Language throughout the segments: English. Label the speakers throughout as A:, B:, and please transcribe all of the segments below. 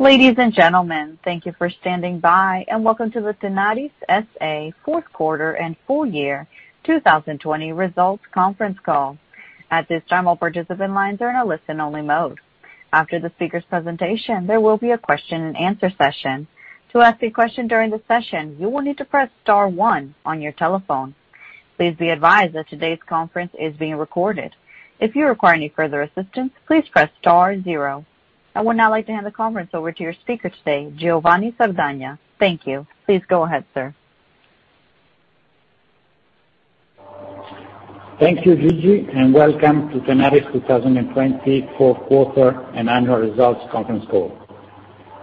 A: Ladies and gentlemen, thank you for standing by and welcome to the Tenaris S.A. fourth quarter and full year 2020 results conference call. I would now like to hand the conference over to your speaker today, Giovanni Sardagna. Thank you. Please go ahead, sir.
B: Thank you, Gigi, and welcome to Tenaris 2020 fourth quarter and annual results conference call.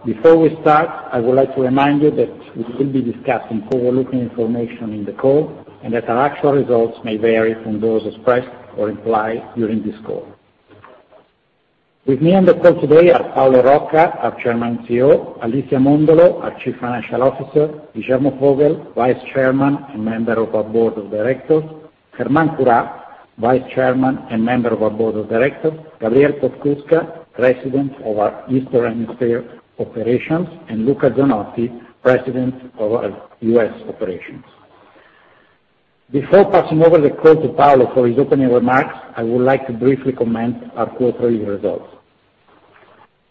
B: Before we start, I would like to remind you that we will be discussing forward-looking information on the call and that our actual results may vary from those expressed or implied during this call. With me on the call today are Paolo Rocca, our Chairman and CEO, Alicia Mondolo, our Chief Financial Officer, Guillermo Vogel, Vice Chairman and Member of our Board of Directors, Germán Curá, Vice Chairman and Member of our Board of Directors, Gabriel Podskubka, President of our Eastern Hemisphere Operations, and Luca Zanotti, President of our U.S. Operations. Before passing over the call to Paolo for his opening remarks, I would like to briefly comment our quarterly results.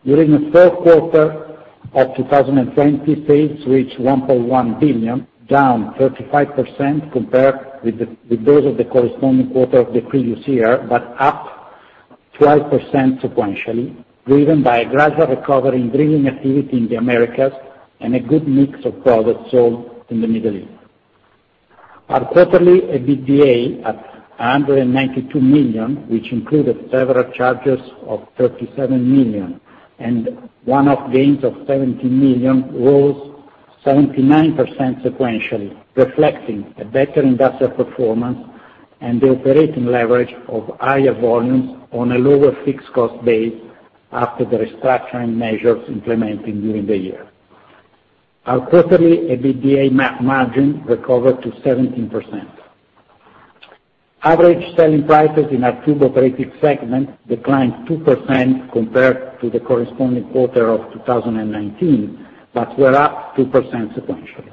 B: During the fourth quarter of 2020, sales reached $1.1 billion, down 35% compared with those of the corresponding quarter of the previous year, but up 12% sequentially, driven by a gradual recovery in drilling activity in the Americas and a good mix of products sold in the Middle East. Our quarterly EBITDA at $192 million, which included several charges of $37 million and one-off gains of $17 million, rose 79% sequentially, reflecting a better industrial performance and the operating leverage of higher volumes on a lower fixed cost base after the restructuring measures implemented during the year. Our quarterly EBITDA margin recovered to 17%. Average selling prices in our tube operating segment declined 2% compared to the corresponding quarter of 2019, but were up 2% sequentially.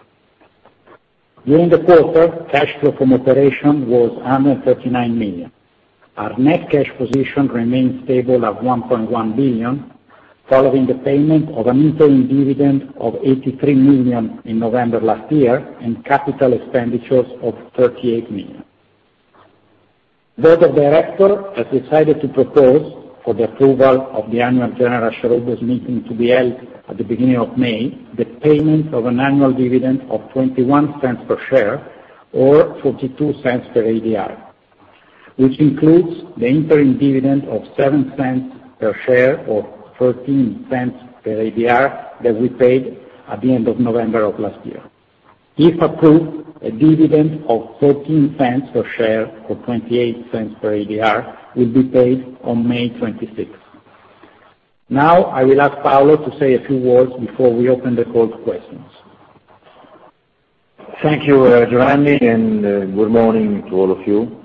B: During the quarter, cash flow from operation was $139 million. Our net cash position remained stable at $1.1 billion, following the payment of an interim dividend of $83 million in November last year and capital expenditures of $38 million. Board of Directors has decided to propose for the approval of the annual general shareholders meeting to be held at the beginning of May, the payment of an annual dividend of $0.21 per share or $0.42 per ADR, which includes the interim dividend of $0.07 per share or $0.13 per ADR that we paid at the end of November of last year. If approved, a dividend of $0.13 per share or $0.28 per ADR will be paid on May 26th. Now, I will ask Paolo to say a few words before we open the call to questions.
C: Thank you, Giovanni. Good morning to all of you.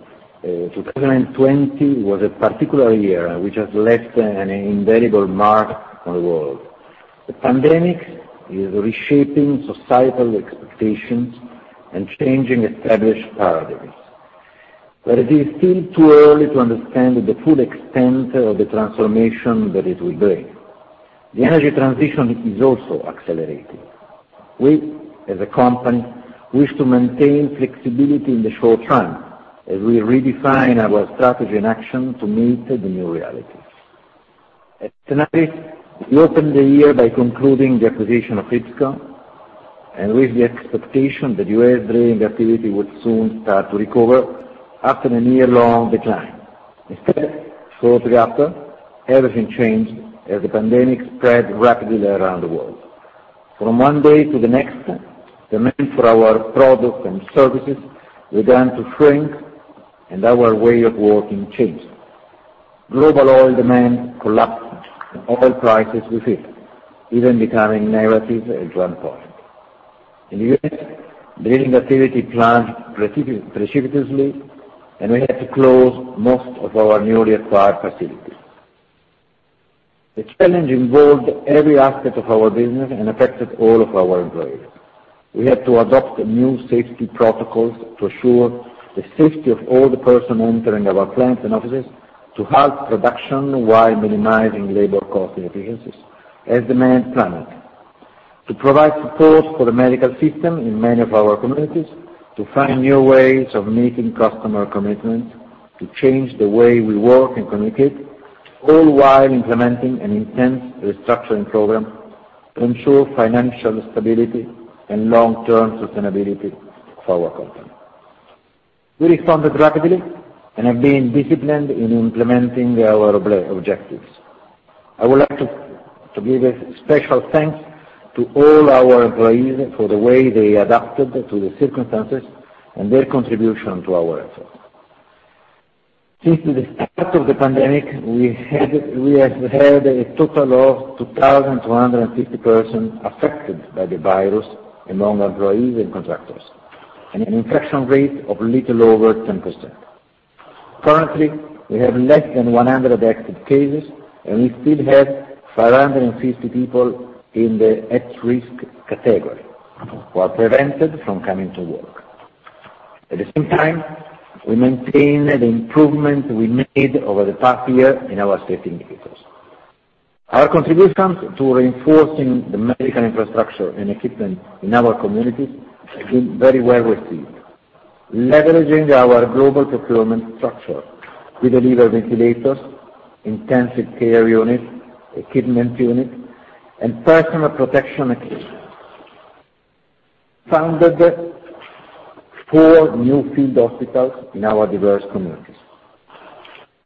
C: 2020 was a particular year which has left an indelible mark on the world. The pandemic is reshaping societal expectations and changing established paradigms. It is still too early to understand the full extent of the transformation that it will bring. The energy transition is also accelerating. We, as a company, wish to maintain flexibility in the short term as we redefine our strategy and action to meet the new realities. At Tenaris, we opened the year by concluding the acquisition of IPSCO and with the expectation that U.S. drilling activity would soon start to recover after a year-long decline. Instead, shortly after, everything changed as the pandemic spread rapidly around the world. From one day to the next, demand for our products and services began to shrink and our way of working changed. Global oil demand collapsed, and oil prices were hit, even becoming negative at one point. In the U.S., drilling activity plunged precipitously, and we had to close most of our newly acquired facilities. The challenge involved every aspect of our business and affected all of our employees. We had to adopt new safety protocols to assure the safety of all the persons entering our plants and offices to halt production while minimizing labor cost inefficiencies as demand plummeted. To provide support for the medical system in many of our communities, to find new ways of meeting customer commitments, to change the way we work and communicate, all while implementing an intense restructuring program to ensure financial stability and long-term sustainability for our company. We responded rapidly and have been disciplined in implementing our objectives. I would like to give a special thanks to all our employees for the way they adapted to the circumstances and their contribution to our efforts. Since the start of the pandemic, we have had a total of 2,250 persons affected by the virus among employees and contractors, and an infection rate of a little over 10%. Currently, we have less than 100 active cases, and we still have 550 people in the at-risk category who are prevented from coming to work. At the same time, we maintain the improvement we made over the past year in our safety indicators. Our contributions to reinforcing the medical infrastructure and equipment in our communities have been very well received. Leveraging our global procurement structure, we deliver ventilators, intensive care units, equipment units, and personal protection equipment, funded four new field hospitals in our diverse communities.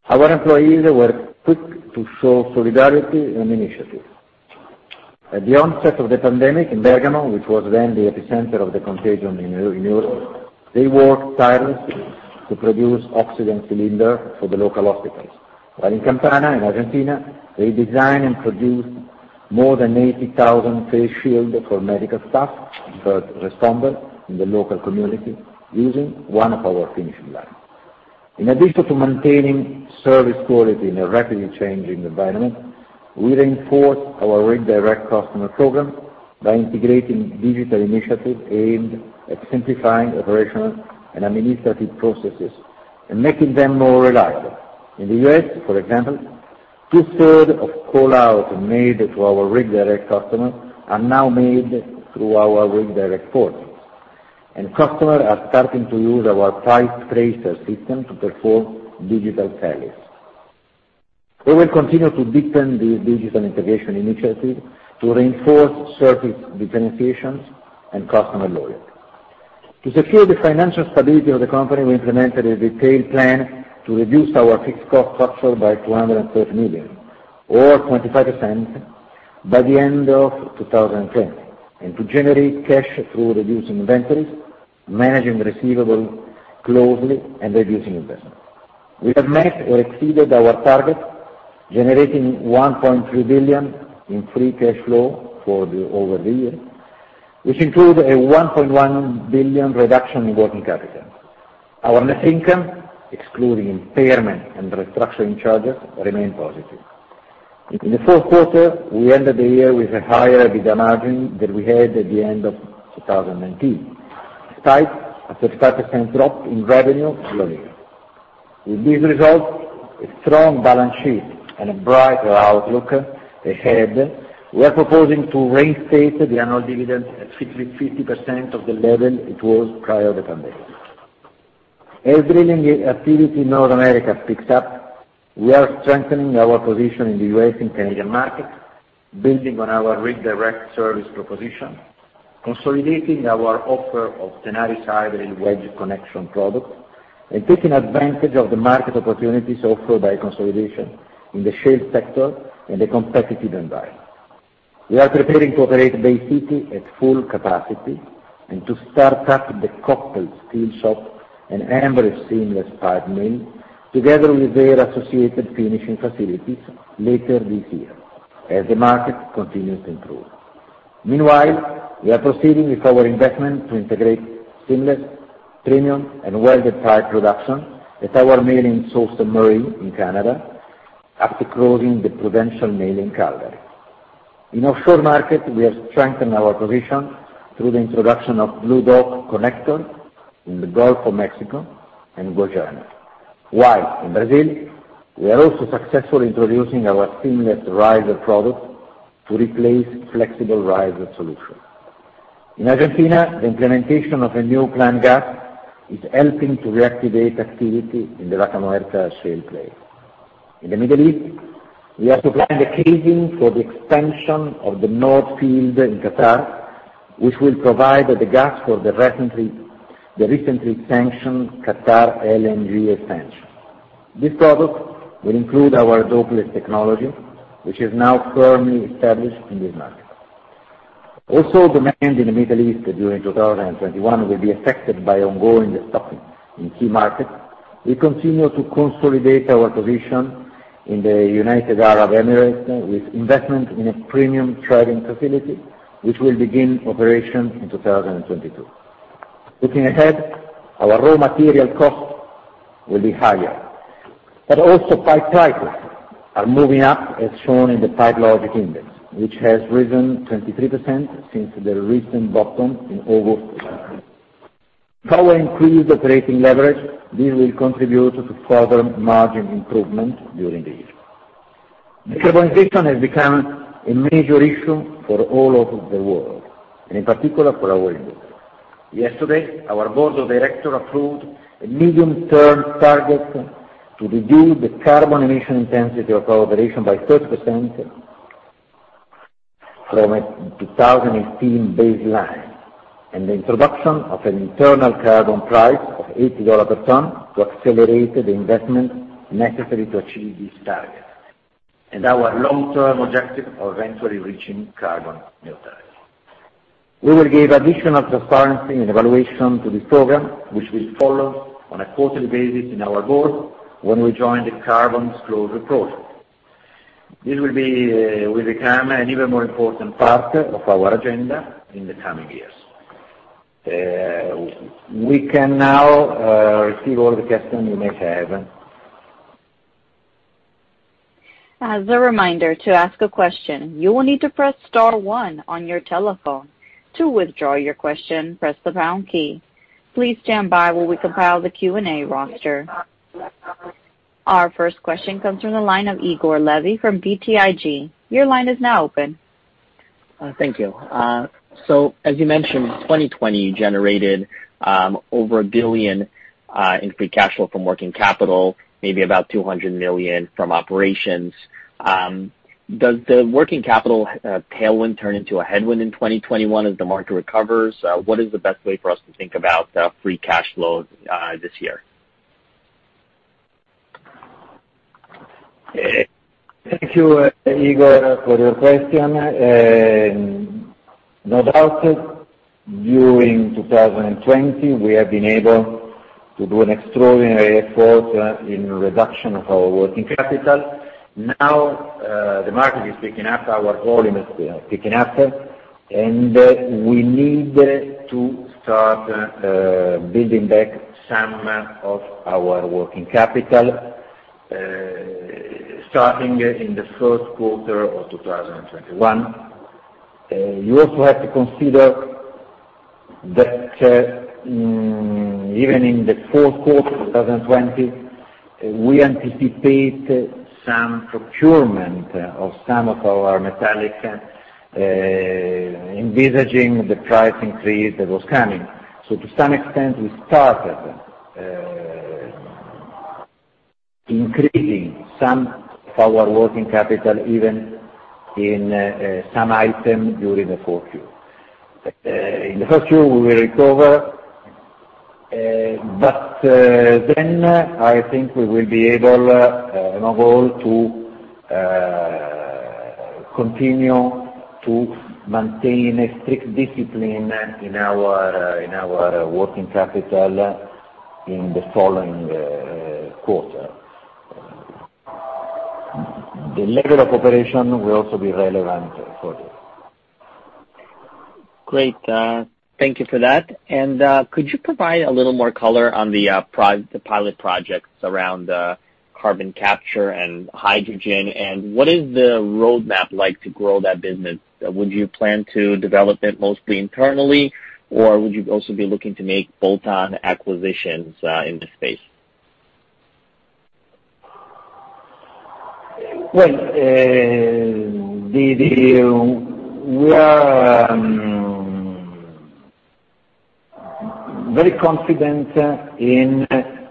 C: Our employees were quick to show solidarity and initiative. At the onset of the pandemic in Bergamo, which was then the epicenter of the contagion in Europe, they worked tirelessly to produce oxygen cylinders for the local hospitals. While in Campana in Argentina, they designed and produced more than 80,000 face shields for medical staff and first responders in the local community using one of our finishing lines. In addition to maintaining service quality in a rapidly changing environment, we reinforced our Rig Direct customer program by integrating digital initiatives aimed at simplifying operational and administrative processes and making them more reliable. In the U.S., for example, two-thirds of call-outs made to our Rig Direct customers are now made through our Rig Direct portal, and customers are starting to use our PipeTracer system to perform digital surveys. We will continue to deepen these digital integration initiatives to reinforce service differentiation and customer loyalty. To secure the financial stability of the company, we implemented a detailed plan to reduce our fixed cost structure by $230 million, or 25%, by the end of 2020, and to generate cash through reducing inventories, managing receivables closely, and reducing investments. We have met or exceeded our target, generating $1.3 billion in free cash flow for over the year, which includes a $1.1 billion reduction in working capital. Our net income, excluding impairment and restructuring charges, remained positive. In the fourth quarter, we ended the year with a higher EBITDA margin than we had at the end of 2019, despite a 35% drop in revenue year-over-year. With these results, a strong balance sheet, and a brighter outlook ahead, we are proposing to reinstate the annual dividend at 50% of the level it was prior to the pandemic. As drilling activity in North America picks up, we are strengthening our position in the U.S. and Canadian market, building on our Rig Direct service proposition, consolidating our offer of Tenarishydril and Wedge connection products, and taking advantage of the market opportunities offered by consolidation in the shale sector and a competitive environment. We are preparing to operate Bay City at full capacity and to start up the Koppel steel shop and Ambridge seamless pipe mill, together with their associated finishing facilities later this year, as the market continues to improve. Meanwhile, we are proceeding with our investment to integrate seamless premium and welded pipe production at our mill in Sault Ste. Marie in Canada after closing the Prudential mill in Calgary. In offshore markets, we have strengthened our position through the introduction of BlueDock connector in the Gulf of Mexico and Guyana. While in Brazil, we are also successfully introducing our seamless riser products to replace flexible riser solutions. In Argentina, the implementation of a new Plan Gas is helping to reactivate activity in the Vaca Muerta shale play. In the Middle East, we are supplying the casings for the expansion of the North Field in Qatar, which will provide the gas for the recently sanctioned QatarEnergy LNG expansion. This product will include our Dopeless technology, which is now firmly established in this market. Demand in the Middle East during 2021 will be affected by ongoing stockpiling in key markets. We continue to consolidate our position in the United Arab Emirates with investment in a premium threading facility, which will begin operation in 2022. Looking ahead, our raw material costs will be higher, also pipe prices are moving up, as shown in the PipeLogix Index, which has risen 23% since the recent bottom in August. With our increased operating leverage, this will contribute to further margin improvement during the year. Decarbonization has become a major issue for all over the world, and in particular for our group. Yesterday, our board of directors approved a medium-term target to reduce the carbon emission intensity of our operation by 30% from a 2018 baseline, and the introduction of an internal carbon price of $80 per ton to accelerate the investments necessary to achieve this target, and our long-term objective of eventually reaching carbon neutrality. We will give additional transparency and evaluation to this program, which will follow on a quarterly basis in our board when we join the Carbon Disclosure Project. This will become an even more important part of our agenda in the coming years. We can now receive all the questions you may have.
A: As a reminder, to ask a question, you will need to press star one on your telephone. To withdraw your question, press the pound key. Please stand by while we compile the Q&A roster. Our first question comes from the line of Igor Levi from BTIG. Your line is now open.
D: Thank you. As you mentioned, 2020 generated over $1 billion in free cash flow from working capital, maybe about $200 million from operations. Does the working capital tailwind turn into a headwind in 2021 as the market recovers? What is the best way for us to think about free cash flow this year?
C: Thank you, Igor, for your question. No doubt, during 2020, we have been able to do an extraordinary effort in reduction of our working capital. The market is picking up, our volume is picking up, and we need to start building back some of our working capital, starting in the first quarter of 2021. You also have to consider that even in the fourth quarter of 2020, we anticipate some procurement of some of our metallic, envisaging the price increase that was coming. To some extent, we started increasing some of our working capital, even in some item during the fourth quarter. In the first quarter, we will recover, I think we will be able, above all, to continue to maintain a strict discipline in our working capital in the following quarters. The level of operation will also be relevant for this.
D: Great. Thank you for that. Could you provide a little more color on the pilot projects around carbon capture and hydrogen, and what is the roadmap like to grow that business? Would you plan to develop it mostly internally, or would you also be looking to make bolt-on acquisitions in this space?
C: Well, we are very confident in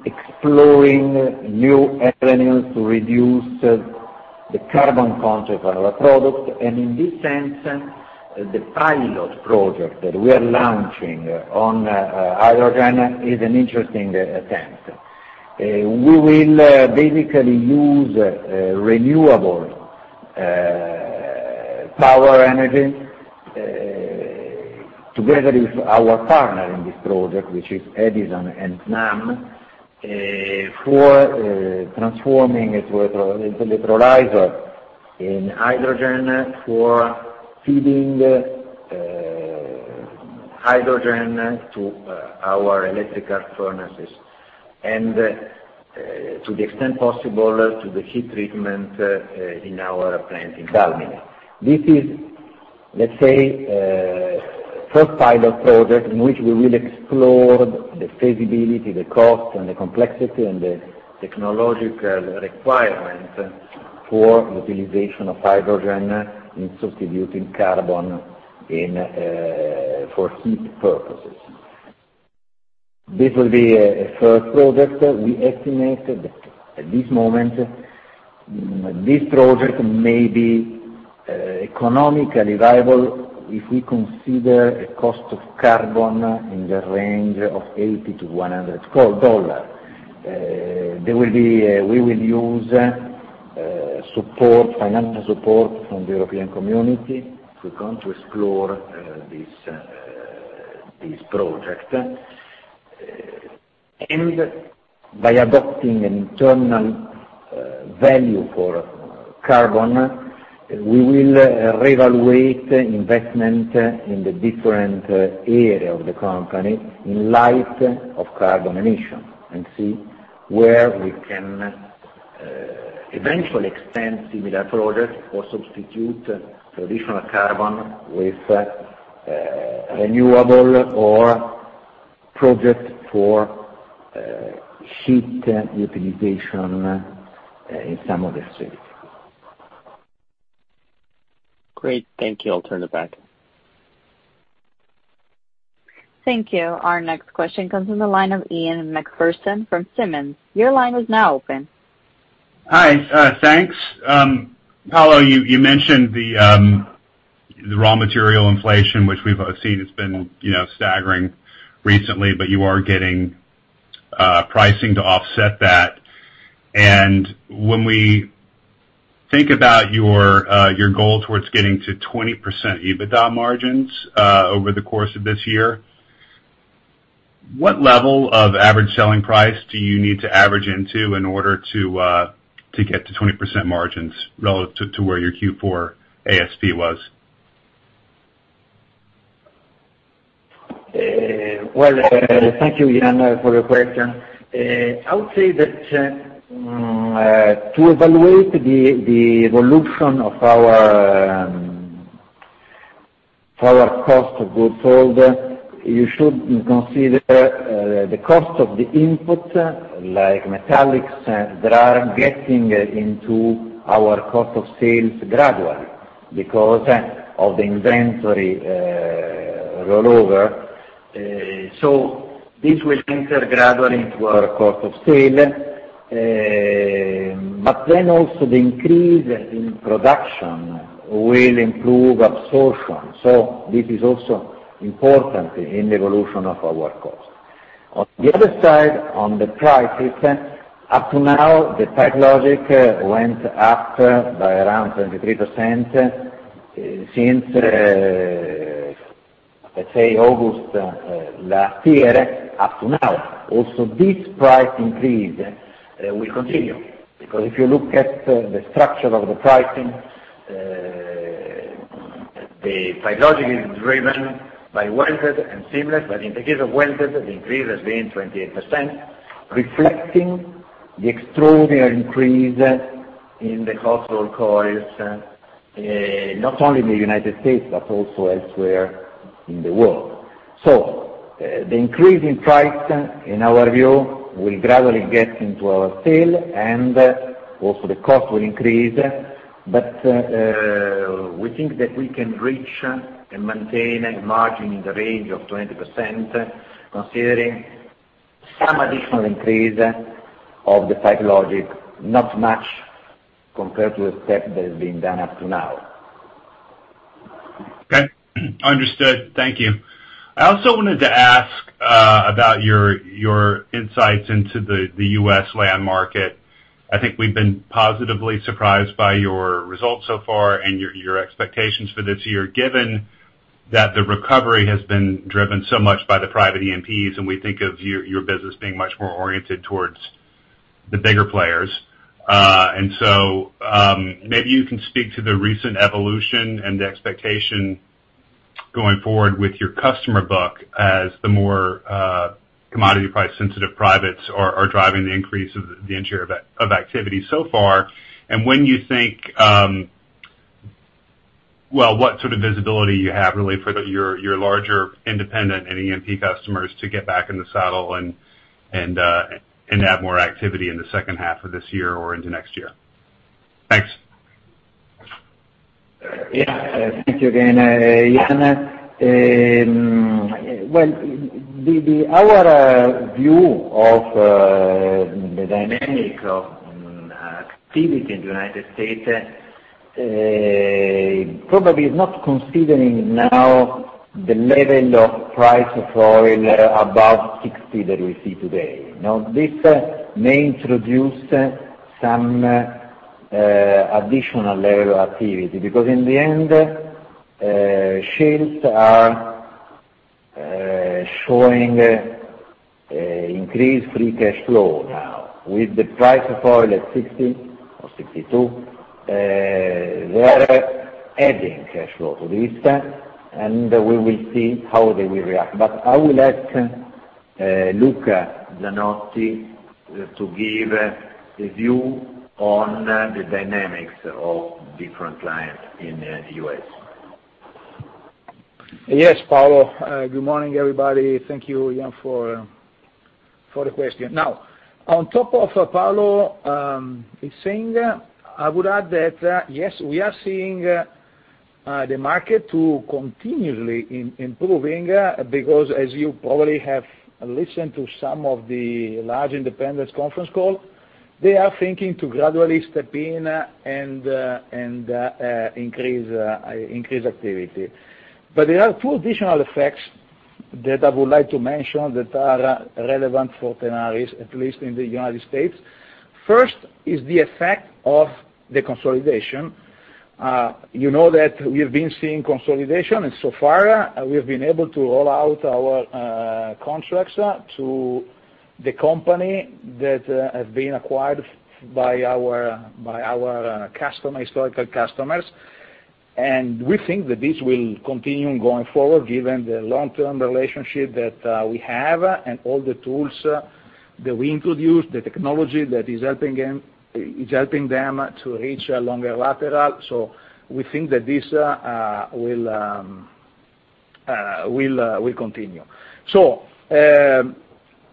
C: exploring new avenues to reduce the carbon content of our product. In this sense, the pilot project that we are launching on hydrogen is an interesting attempt. We will basically use renewable power energy together with our partner in this project, which is Edison and Snam, for transforming it with electrolyzer in hydrogen, for feeding hydrogen to our electrical furnaces, and to the extent possible, to the heat treatment in our plant in Dalmine. This is, let's say, first pilot project in which we will explore the feasibility, the cost, the complexity, and the technological requirement for utilization of hydrogen in substituting carbon for heat purposes. This will be a first project. We estimate, at this moment, this project may be economically viable if we consider a cost of carbon in the range of $80-$100. We will use financial support from the European community to continue to explore this project. By adopting an internal value for carbon, we will reevaluate investment in the different area of the company in light of carbon emission, and see where we can eventually extend similar projects or substitute traditional carbon with renewable or project for heat utilization in some of the cities.
D: Great. Thank you. I'll turn it back.
A: Thank you. Our next question comes from the line of Ian Macpherson from Simmons. Your line is now open.
E: Hi. Thanks. Paolo, you mentioned the raw material inflation, which we've seen has been staggering recently. You are getting pricing to offset that. When we think about your goal towards getting to 20% EBITDA margins over the course of this year. What level of average selling price do you need to average into in order to get to 20% margins relative to where your Q4 ASP was?
C: Thank you, Ian, for the question. I would say that to evaluate the evolution of our cost of goods sold, you should consider the cost of the input, like metallics, that are getting into our cost of sales gradually because of the inventory rollover. This will enter gradually into our cost of sale. Also the increase in production will improve absorption. This is also important in the evolution of our cost. On the other side, on the prices, up to now, the PipeLogix went up by around 23% since, let's say August last year up to now. This price increase will continue, because if you look at the structure of the pricing, the PipeLogix is driven by welded and seamless. In the case of welded, the increase has been 28%, reflecting the extraordinary increase in the cost of coils, not only in the United States, but also elsewhere in the world. The increase in price, in our view, will gradually get into our sale and also the cost will increase. We think that we can reach and maintain a margin in the range of 20%, considering some additional increase of the PipeLogix, not much compared to the step that has been done up to now.
E: Okay. Understood. Thank you. I also wanted to ask about your insights into the U.S. land market. I think we've been positively surprised by your results so far and your expectations for this year, given that the recovery has been driven so much by the private E&Ps, we think of your business being much more oriented towards the bigger players. Maybe you can speak to the recent evolution and the expectation going forward with your customer book as the more commodity price sensitive privates are driving the increase of the entire of activity so far. When you think, what sort of visibility you have really for your larger independent and E&P customers to get back in the saddle and have more activity in the second half of this year or into next year. Thanks.
C: Yeah. Thank you again, Ian. Well, our view of the dynamic of activity in the U.S., probably is not considering now the level of price of oil above 60 that we see today. Now, this may introduce some additional level activity, because in the end, shales are showing increased free cash flow now. With the price of oil at 60 or 62, they are adding cash flow to this. We will see how they will react. I will ask Luca Zanotti to give his view on the dynamics of different clients in the U.S.
F: Yes, Paolo. Good morning, everybody. Thank you, Ian, for the question. Now, on top of Paolo is saying, I would add that, yes, we are seeing the market to continually improving because as you probably have listened to some of the large independents conference call, they are thinking to gradually step in and increase activity. There are two additional effects that I would like to mention that are relevant for Tenaris, at least in the United States. First, is the effect of the consolidation. You know that we have been seeing consolidation, and so far, we have been able to roll out our contracts to the company that has been acquired by our historical customers. We think that this will continue going forward given the long-term relationship that we have and all the tools that we introduced, the technology that is helping them to reach longer lateral. We think that this will continue.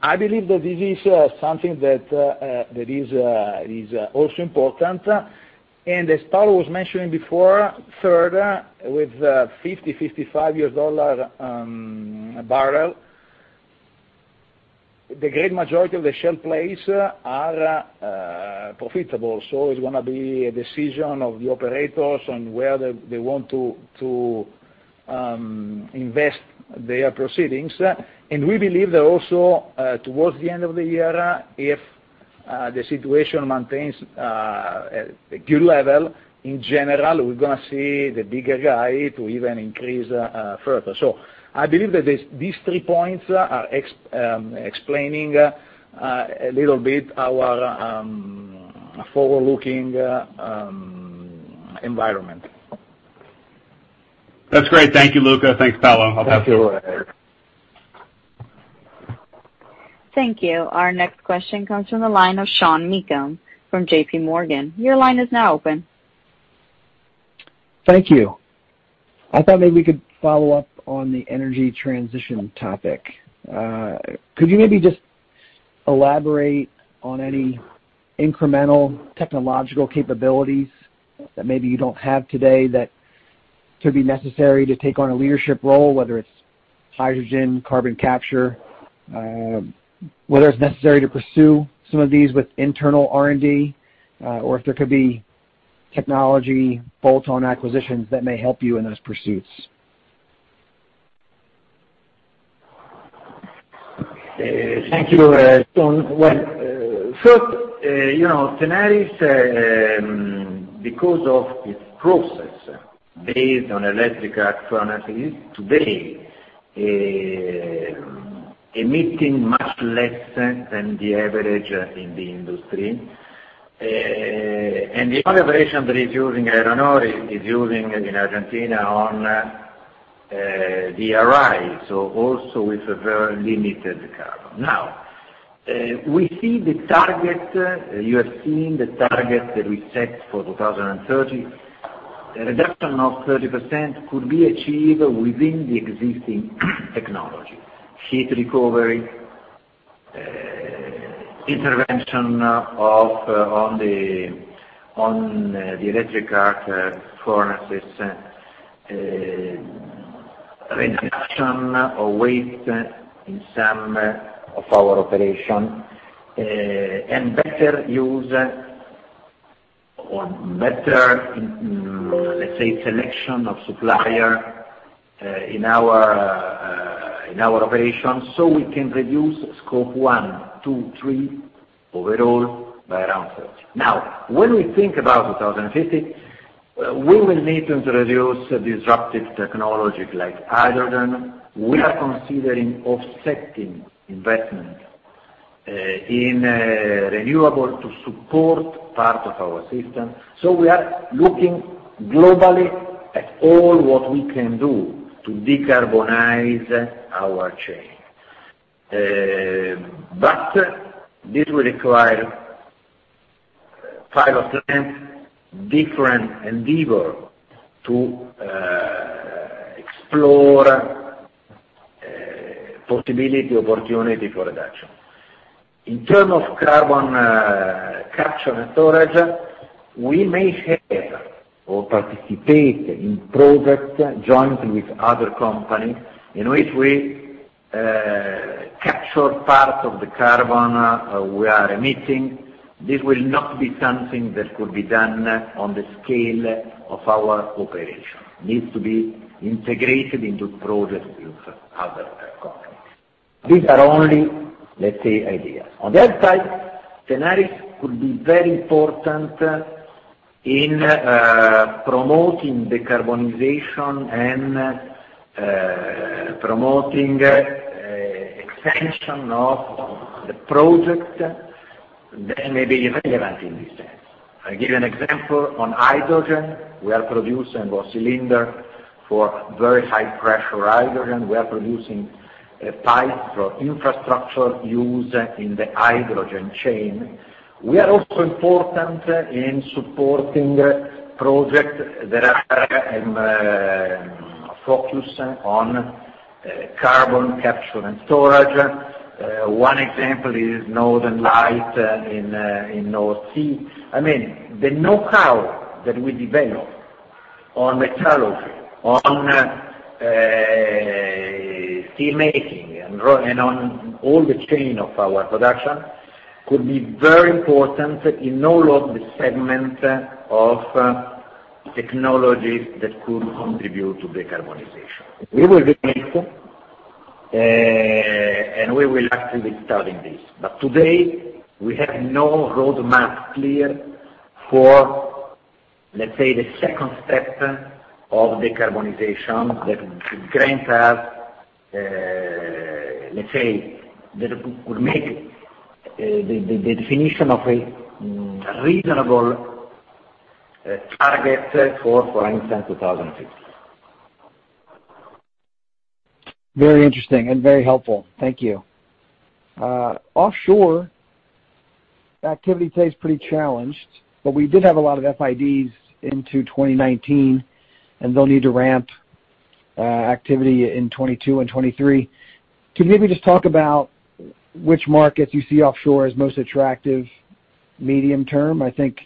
F: I believe that this is something that is also important. As Paolo was mentioning before, third, with $50, $55 a barrel, the great majority of the shale plays are profitable. It's going to be a decision of the operators on where they want to invest their proceedings. We believe that also, towards the end of the year, if. The situation maintains a good level. In general, we're going to see the bigger guy to even increase further. I believe that these three points are explaining a little bit our forward-looking environment.
E: That's great. Thank you, Luca. Thanks, Paolo.
C: Thank you.
A: Thank you. Our next question comes from the line of Sean Meakim from JPMorgan. Your line is now open.
G: Thank you. I thought maybe we could follow up on the energy transition topic. Could you maybe just elaborate on any incremental technological capabilities that maybe you don't have today that could be necessary to take on a leadership role, whether it's hydrogen, carbon capture, whether it's necessary to pursue some of these with internal R&D, or if there could be technology bolt-on acquisitions that may help you in those pursuits?
C: Thank you, Sean. Well, first, Tenaris, because of its process based on electric arc furnaces, today emitting much less than the average in the industry. The other version that is using iron ore is using, in Argentina, on DRI, so also with very limited carbon. We see the target, you have seen the target that we set for 2030. A reduction of 30% could be achieved within the existing technology, heat recovery, intervention on the electric arc furnaces, reduction of waste in some of our operations, and better use, or better, let's say, selection of supplier in our operations so we can reduce scope one, two, three overall by around 30%. When we think about 2050, we will need to introduce disruptive technology like hydrogen. We are considering offsetting investment in renewable to support part of our system. We are looking globally at all what we can do to decarbonize our chain. This will require pilot plant, different endeavor to explore possibility, opportunity for reduction. In term of carbon capture and storage, we may have or participate in project jointly with other companies, in which we capture part of the carbon we are emitting. This will not be something that could be done on the scale of our operation. Needs to be integrated into projects with other companies. These are only, let's say, ideas. On that side, Tenaris could be very important in promoting decarbonization and promoting extension of the project that may be relevant in this sense. I give you an example, on hydrogen, we are producing our cylinder for very high pressure hydrogen. We are producing pipes for infrastructure use in the hydrogen chain. We are also important in supporting projects that are focused on carbon capture and storage. One example is Northern Lights in North Sea. The know-how that we develop on metallurgy, on steelmaking, and on all the chain of our production, could be very important in all of the segments of technologies that could contribute to decarbonization. We will be linked, and we will actively study this. Today, we have no roadmap clear for, let's say, the second step of decarbonization that could grant us, let's say, that would make the definition of a reasonable target for instance, 2050.
G: Very interesting and very helpful. Thank you. Offshore activity stays pretty challenged, but we did have a lot of FIDs into 2019, and they'll need to ramp activity in 2022 and 2023. Could you maybe just talk about which markets you see offshore as most attractive medium term? I think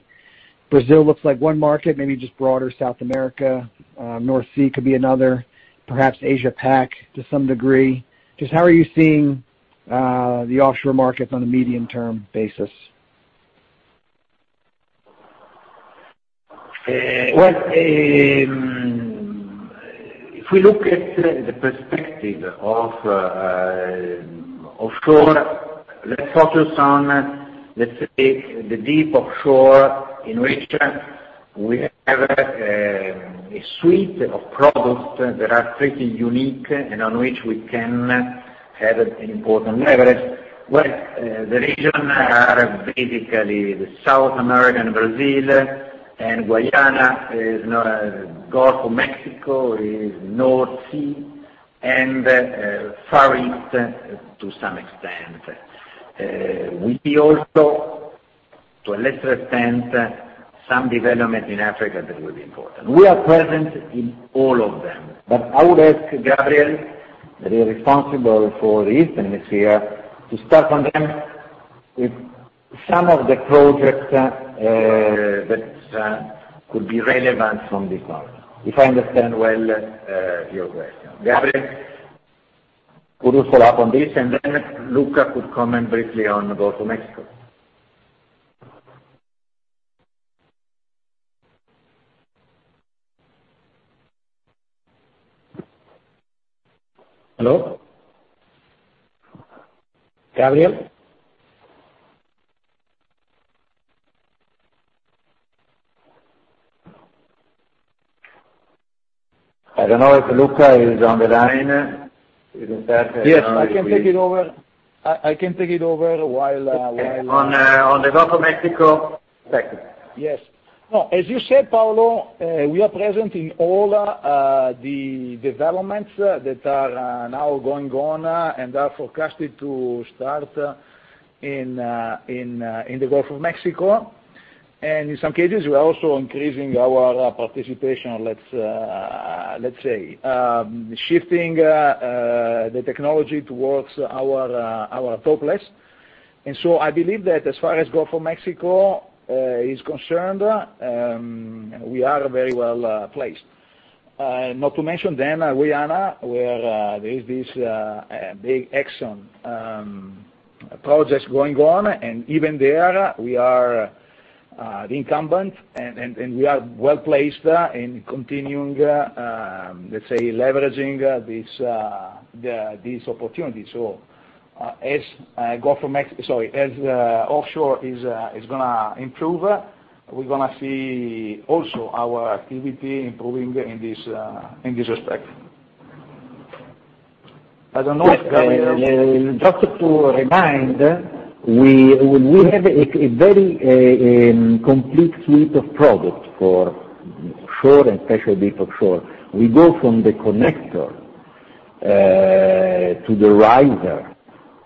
G: Brazil looks like one market, maybe just broader South America. North Sea could be another. Perhaps Asia Pac, to some degree. Just how are you seeing the offshore markets on a medium-term basis?
C: Well, if we look at the perspective of offshore, let's focus on, let's say, the deep offshore, in which we have a suite of products that are pretty unique and on which we can have an important leverage. Well, the region are basically the South American, Brazil, and Guyana. There is Gulf of Mexico, is North Sea, and Far East to some extent. We see also, to a lesser extent, some development in Africa that will be important. We are present in all of them. I would ask Gabriel, the responsible for the Eastern Hemisphere, to start on them with some of the projects that could be relevant from this part. If I understand well your question. Gabriel, could you follow up on this? Luca could comment briefly on the Gulf of Mexico. Hello? Gabriel? I don't know if Luca is on the line.
F: Yes, I can take it over.
C: On the Gulf of Mexico.
F: Yes. No, as you said, Paolo, we are present in all the developments that are now going on and are forecasted to start in the Gulf of Mexico. In some cases, we are also increasing our participation, let's say, shifting the technology towards our Dopeless. I believe that as far as Gulf of Mexico is concerned, we are very well placed. Not to mention then Guyana, where there is this big Exxon project going on, and even there we are the incumbent, and we are well-placed in continuing, let's say, leveraging these opportunities. As offshore is going to improve, we're going to see also our activity improving in this respect. I don't know if Gabriel-
C: Just to remind, we have a very complete suite of products for shore and especially deep offshore. We go from the connector to the riser,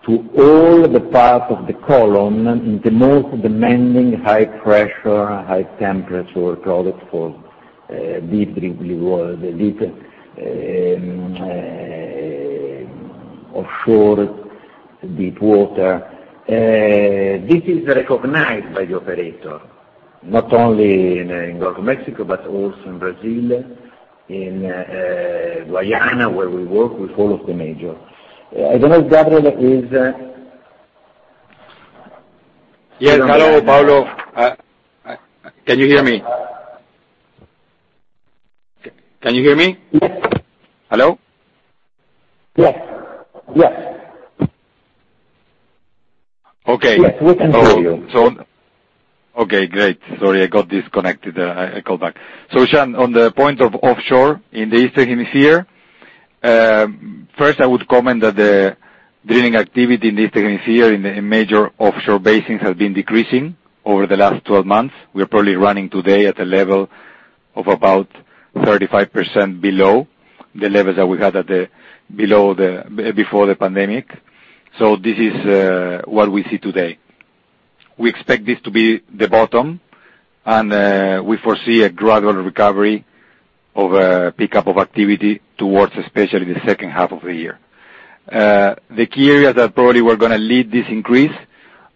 C: to all the parts of the column in the most demanding high pressure, high temperature products for deep offshore, deep water. This is recognized by the operator, not only in Gulf of Mexico, but also in Brazil, in Guyana, where we work with all of the major. I don't know if Gabriel is
H: Yes. Hello, Paolo. Can you hear me? Can you hear me?
C: Yes.
H: Hello?
C: Yes.
H: Okay.
C: Yes, we can hear you.
H: Okay, great. Sorry, I got disconnected there. I call back. Sean, on the point of offshore in the Eastern Hemisphere, first I would comment that the drilling activity in the Eastern Hemisphere in the major offshore basins has been decreasing over the last 12 months. We are probably running today at a level of about 35% below the levels that we had before the pandemic. This is what we see today. We expect this to be the bottom, and we foresee a gradual recovery of a pickup of activity towards especially the second half of the year. The key areas that probably were going to lead this increase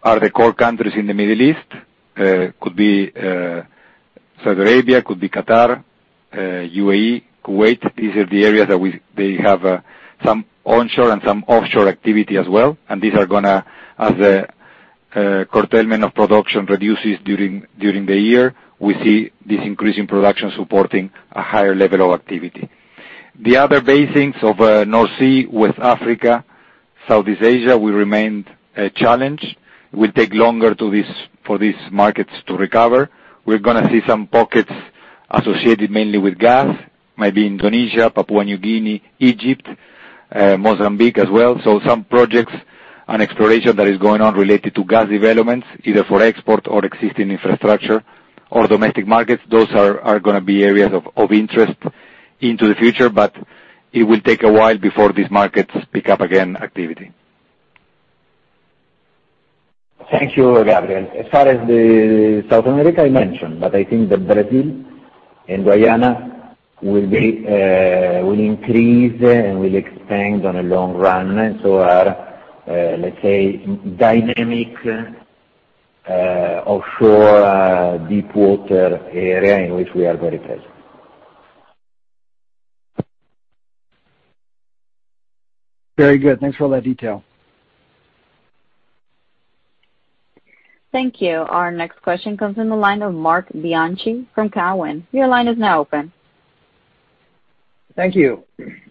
H: are the core countries in the Middle East. Could be Saudi Arabia, could be Qatar, UAE, Kuwait. These are the areas that they have some onshore and some offshore activity as well. As the curtailment of production reduces during the year, we see this increase in production supporting a higher level of activity. The other basins of North Sea, West Africa, Southeast Asia, will remain a challenge. It will take longer for these markets to recover. We are going to see some pockets associated mainly with gas, maybe Indonesia, Papua New Guinea, Egypt, Mozambique as well. Some projects and exploration that is going on related to gas developments, either for export or existing infrastructure or domestic markets, those are going to be areas of interest into the future. It will take a while before these markets pick up again activity.
C: Thank you, Gabriel. As far as the South America, I mentioned, but I think that Brazil and Guyana will increase and will expand on a long run. Our, let's say, dynamic offshore deep water area in which we are very present.
G: Very good. Thanks for all that detail.
A: Thank you. Our next question comes from the line of Marc Bianchi from Cowen. Your line is now open.
I: Thank you.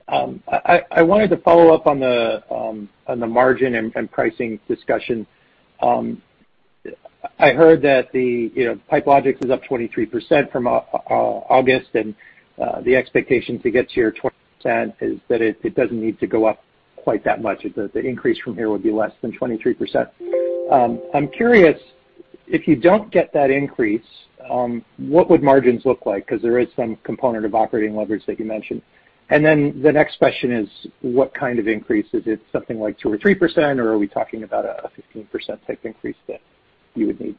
I: I wanted to follow up on the margin and pricing discussion. The expectation to get to your 20% is that it doesn't need to go up quite that much. The increase from here would be less than 23%. I'm curious, if you don't get that increase, what would margins look like? There is some component of operating leverage that you mentioned. The next question is what kind of increase? Is it something like 2% or 3%? Are we talking about a 15% type increase that you would need?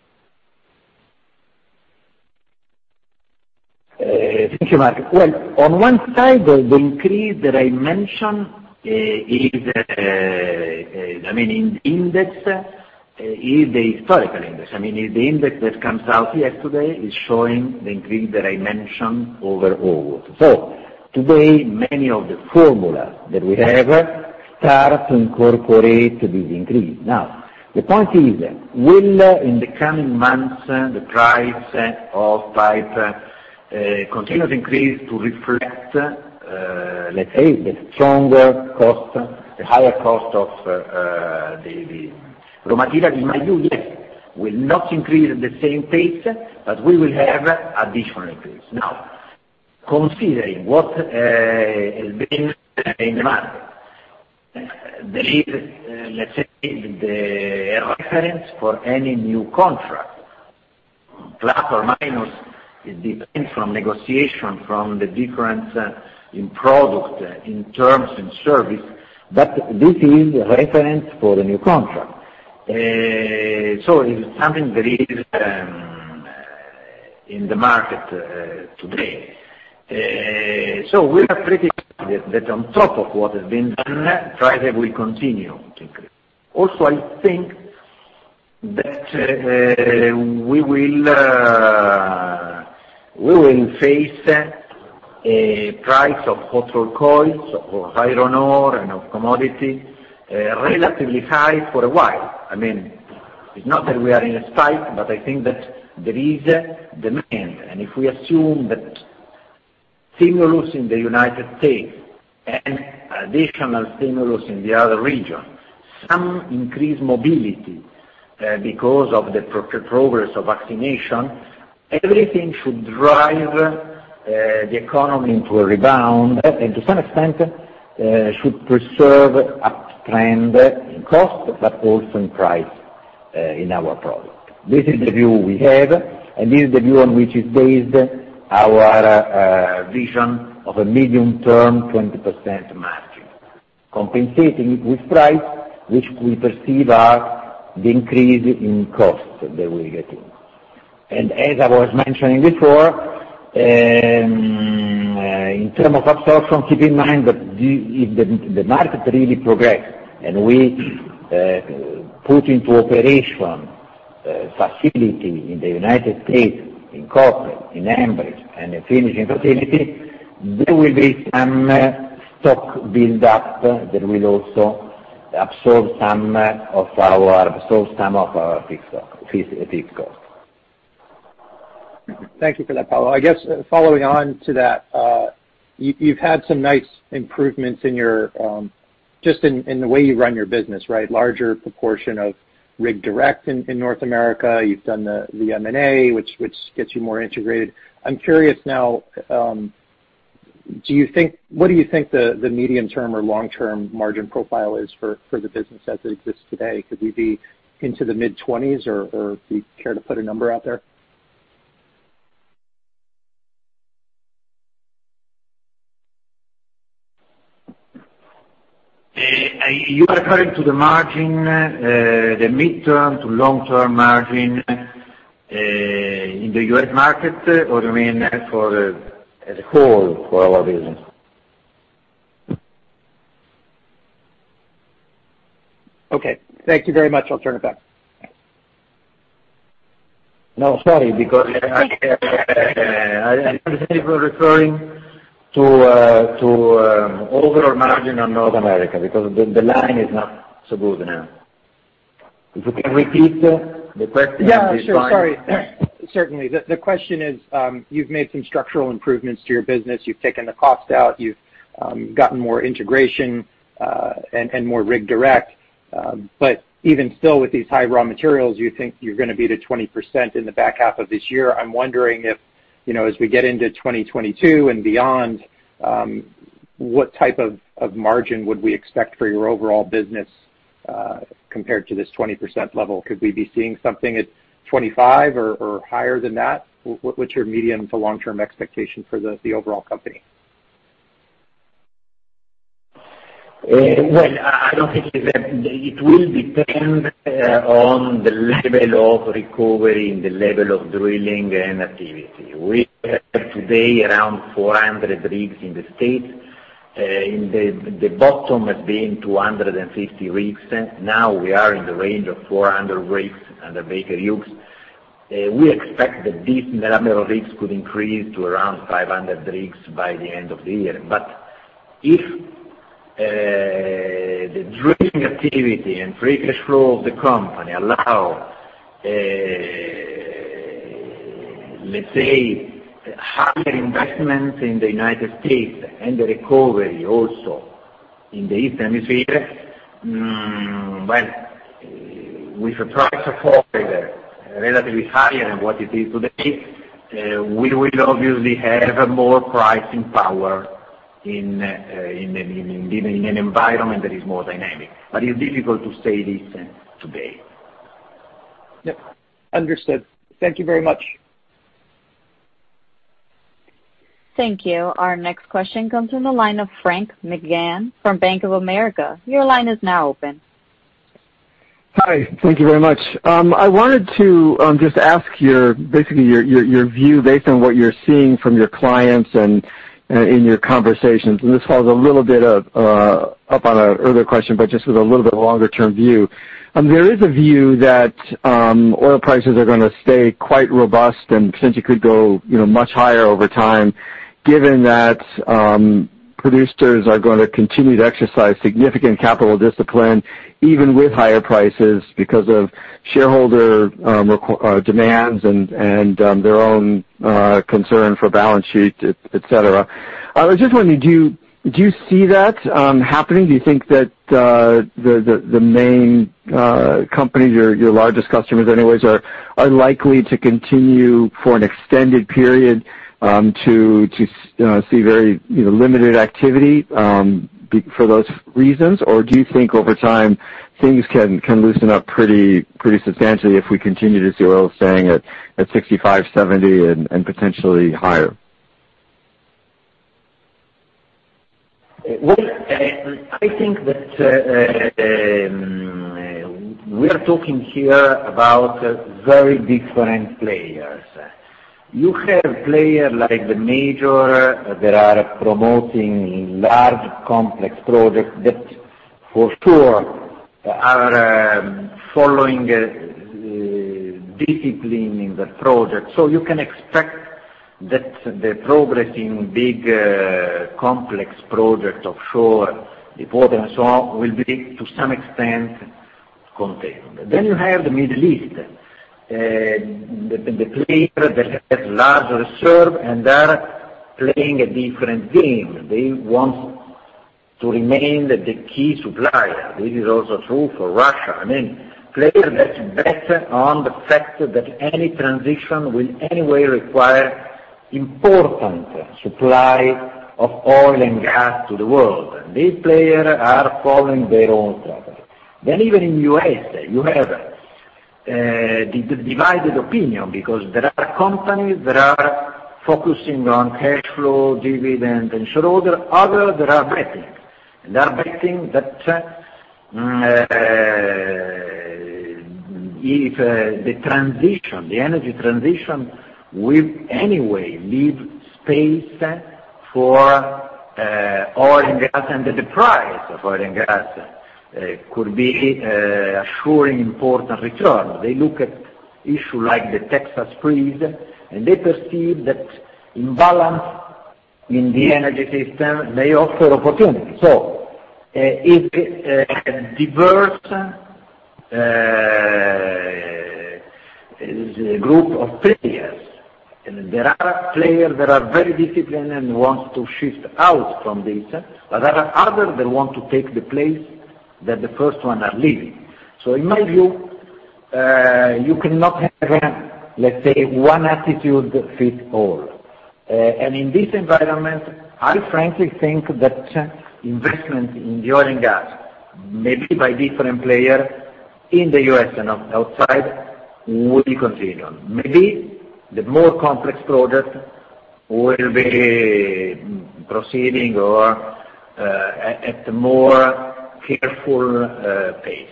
C: Thank you, Mark. Well, on one side, the increase that I mentioned, the PipeLogix Index, is the historical index. I mean, the index that comes out yesterday is showing the increase that I mentioned overall. Today, many of the formulas that we have start to incorporate this increase. Now, the point is, will, in the coming months, the price of pipe continue to increase to reflect, let's say, the stronger cost, the higher cost of the raw material in my view? Yes, will not increase at the same pace, but we will have additional increase. Now, considering what has been in the market, there is, let's say, the reference for any new contract, plus or minus, it depends from negotiation, from the difference in product, in terms and service, but this is reference for the new contract. It's something that is in the market today. We are pretty sure that on top of what has been done, price will continue to increase. Also, I think that we will face a price of petrol, coils, or iron ore, and of commodity, relatively high for a while. It's not that we are in a spike, but I think that there is demand. If we assume that stimulus in the U.S. and additional stimulus in the other region, some increased mobility, because of the progress of vaccination, everything should drive the economy into a rebound, and to some extent, should preserve uptrend in cost, but also in price, in our product. This is the view we have, and this is the view on which is based our vision of a medium-term 20% margin, compensating with price, which we perceive as the increase in cost that we're getting. As I was mentioning before, in terms of absorption, keep in mind that if the market really progress and we put into operation a facility in the United States, in Koppel, in Ambridge, and a finishing facility, there will be some stock build up that will also absorb some of our fixed cost.
I: Thank you for that, Paolo. I guess following on to that, you've had some nice improvements just in the way you run your business, right? Larger proportion of Rig Direct in North America. You've done the M&A, which gets you more integrated. I'm curious now, what do you think the medium term or long term margin profile is for the business as it exists today? Could we be into the mid-20s, or do you care to put a number out there?
C: Are you referring to the margin, the midterm to long term margin, in the U.S. market, or you mean as a whole for our business?
I: Okay. Thank you very much. I'll turn it back.
C: No, sorry, because I wasn't able referring to overall margin on North America, because the line is not so good now. If you can repeat the question, I'm sorry.
I: Yeah, sure. Sorry. Certainly. The question is, you've made some structural improvements to your business. You've taken the cost out. You've gotten more integration, and more Rig Direct. Even still with these high raw materials, you think you're going to be to 20% in the back half of this year. I'm wondering if, as we get into 2022 and beyond, what type of margin would we expect for your overall business, compared to this 20% level? Could we be seeing something at 25% or higher than that? What's your medium to long term expectation for the overall company?
C: Well, I don't think it will depend on the level of recovery and the level of drilling and activity. We have today around 400 rigs in the state. The bottom has been 250 rigs. Now we are in the range of 400 rigs under Baker Hughes. We expect that this number of rigs could increase to around 500 rigs by the end of the year. If the drilling activity and free cash flow of the company allow, let's say, higher investments in the United States and the recovery also in the Eastern Hemisphere, well, with a price of oil relatively higher than what it is today, we will obviously have more pricing power in an environment that is more dynamic. It's difficult to say this today.
I: Yep. Understood. Thank you very much.
A: Thank you. Our next question comes from the line of Frank McGann from Bank of America. Your line is now open.
J: Hi. Thank you very much. I wanted to just ask basically your view based on what you're seeing from your clients and in your conversations, and this follows a little bit up on an earlier question, but just with a little bit longer-term view. There is a view that oil prices are going to stay quite robust, and potentially could go much higher over time, given that producers are going to continue to exercise significant capital discipline, even with higher prices because of shareholder demands and their own concern for balance sheet, et cetera. I was just wondering, do you see that happening? Do you think that the main companies, your largest customers anyways, are likely to continue, for an extended period, to see very limited activity for those reasons? Do you think over time, things can loosen up pretty substantially if we continue to see oil staying at 65, 70, and potentially higher?
C: Well, I think that we are talking here about very different players. You have players like the major that are promoting large, complex projects that for sure are following discipline in the project. You can expect that the progress in big, complex projects offshore, deepwater, and so on, will be to some extent contained. You have the Middle East, the players that have large reserves and are playing a different game. They want to remain the key supplier. This is also true for Russia. Players that bet on the fact that any transition will anyway require important supply of oil and gas to the world. These players are following their own strategy. Even in U.S., you have the divided opinion because there are companies that are focusing on cash flow, dividend, and so on. Others, they are betting. They are betting that if the energy transition will anyway leave space for oil and gas, and that the price of oil and gas could be assuring important return. They look at issue like the Texas freeze, and they perceive that imbalance in the energy system may offer opportunity. It's a diverse group of players. There are players that are very disciplined and want to shift out from this. There are others that want to take the place that the first ones are leaving. In my view, you cannot have, let's say, one attitude fit all. In this environment, I frankly think that investment in oil and gas, maybe by different players in the U.S. and outside, will continue. Maybe the more complex projects will be proceeding or at a more careful pace.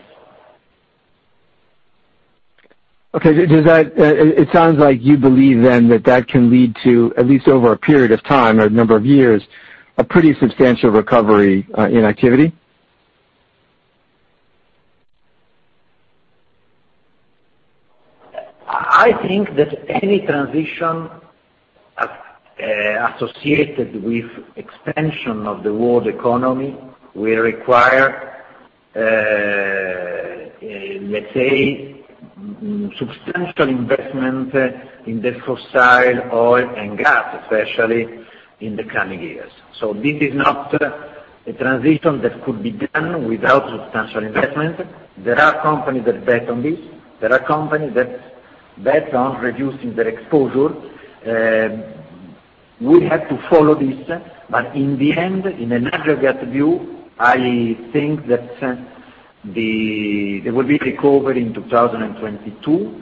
J: Okay. It sounds like you believe then that that can lead to, at least over a period of time or a number of years, a pretty substantial recovery in activity?
C: I think that any transition associated with expansion of the world economy will require, let's say, substantial investment in the fossil oil and gas, especially in the coming years. This is not a transition that could be done without substantial investment. There are companies that bet on this. There are companies that bet on reducing their exposure. We have to follow this. In the end, in an aggregate view, I think that there will be recovery in 2022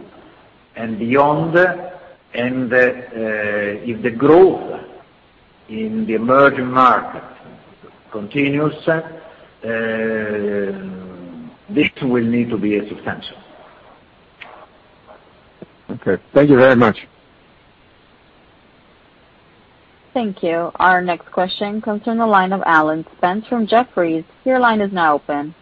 C: and beyond, and if the growth in the emerging market continues, this will need to be substantial.
J: Okay. Thank you very much.
A: Thank you. Our next question comes from the line of Alan Spence from Jefferies. Your line is now open.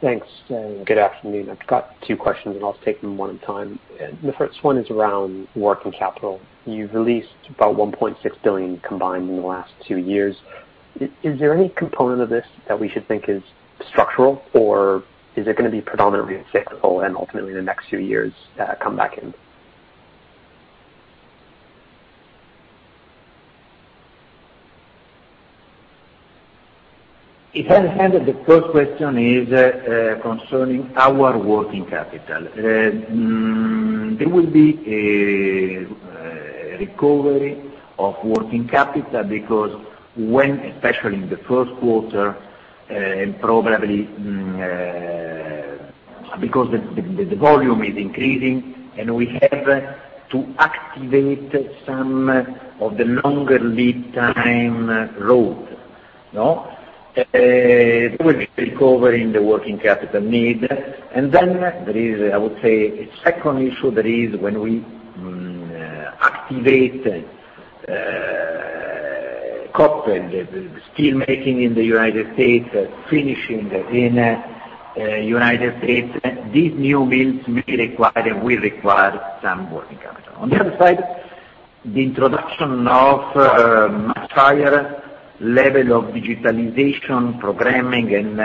K: Thanks. Good afternoon. I've got two questions, and I'll take them one at a time. The first one is around working capital. You've released about $1.6 billion combined in the last two years. Is there any component of this that we should think is structural, or is it going to be predominantly cyclical and ultimately in the next few years, come back in?
C: If I understand, the first question is concerning our working capital. There will be a recovery of working capital, because when, especially in the first quarter, probably because the volume is increasing, and we have to activate some of the longer lead time raw material. There will be recovery in the working capital need. Then there is, I would say, a second issue that is when we activate steel making in the U.S., finishing in U.S., these new mills they will require some working capital. On the other side, the introduction of much higher level of digitalization, programming, and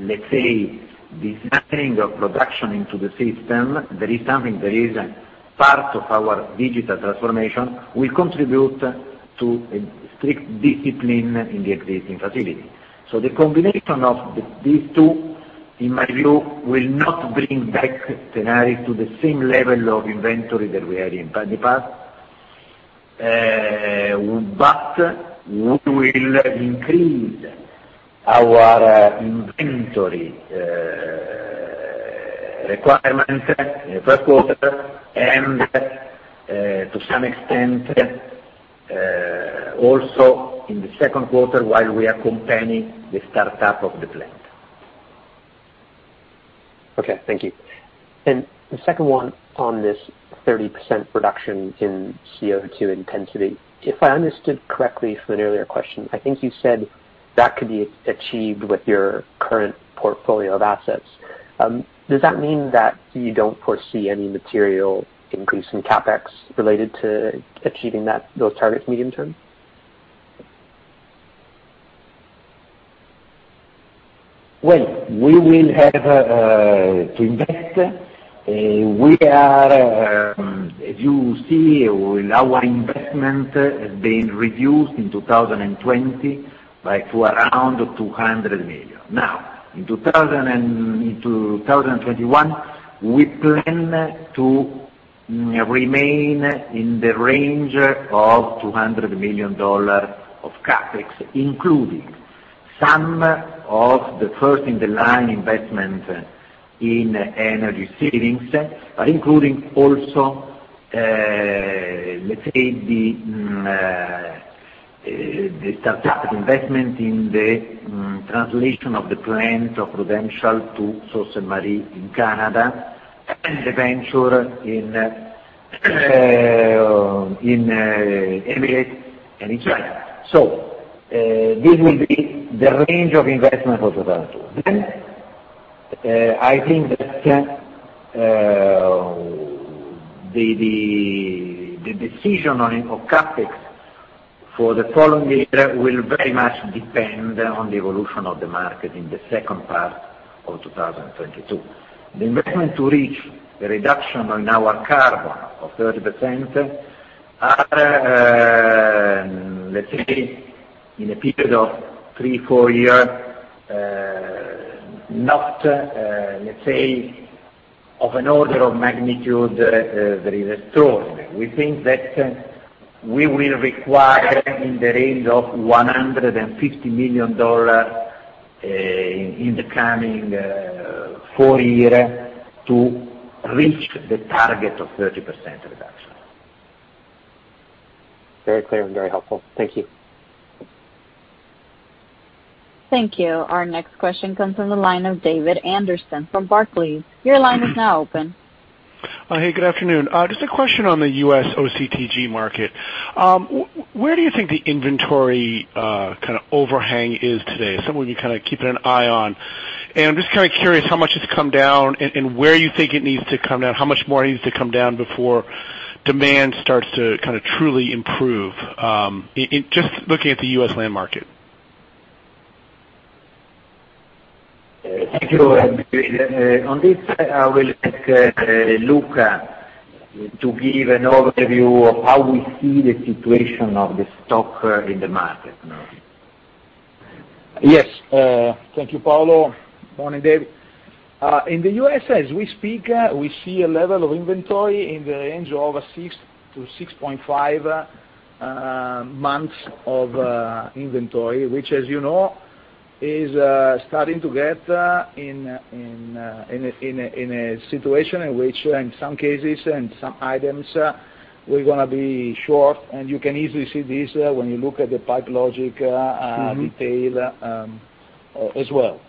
C: let's say designing of production into the system, there is something that is part of our digital transformation, will contribute to a strict discipline in the existing facility. The combination of these two, in my view, will not bring back Tenaris to the same level of inventory that we had in the past. We will increase our inventory requirements in the first quarter, and to some extent, also in the second quarter while we are accompanying the startup of the plant.
K: Okay. Thank you. The second one on this 30% reduction in CO2 intensity. If I understood correctly from an earlier question, I think you said that could be achieved with your current portfolio of assets. Does that mean that you don't foresee any material increase in CapEx related to achieving those targets medium-term?
C: Well, we will have to invest. As you see, our investment has been reduced in 2020, to around $200 million. In 2021, we plan to remain in the range of $200 million of CapEx, including some of the first in the line investment in energy savings, but including also, let's say, the startup investment in the translation of the plant of Prudential to Sault Ste. Marie in Canada, and the venture in Emirates and in China. This will be the range of investment for 2022. I think that the decision of CapEx for the following year will very much depend on the evolution of the market in the second part of 2022. The investment to reach the reduction on our carbon of 30% are, let's say, in a period of three, four years, not of an order of magnitude that is extraordinary. We think that we will require in the range of $150 million in the coming four years to reach the target of 30% reduction.
K: Very clear and very helpful. Thank you.
A: Thank you. Our next question comes from the line of David Anderson from Barclays. Your line is now open.
L: Hey, good afternoon. Just a question on the U.S. OCTG market. Where do you think the inventory kind of overhang is today? Is that something you kind of keeping an eye on? I'm just kind of curious how much it's come down, and where you think it needs to come down, how much more it needs to come down before demand starts to kind of truly improve, just looking at the U.S. land market.
C: Thank you, David. On this, I will ask Luca to give an overview of how we see the situation of the stock in the market now.
F: Yes. Thank you, Paolo. Morning, David. In the U.S., as we speak, we see a level of inventory in the range of six to 6.5 months of inventory, which as you know, is starting to get in a situation in which, in some cases and some items, we're going to be short. You can easily see this when you look at the PipeLogix detail as well.